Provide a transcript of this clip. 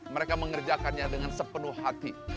mereka mengerjakannya dengan sepenuh hati